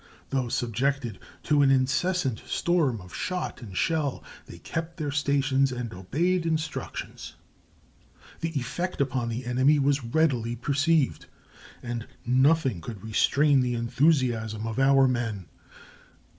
Though subjected to an incessant storm of shot and shell, they kept their stations and obeyed instructions. The effect upon the enemy was readily perceived, and nothing could restrain the enthusiasm of our men.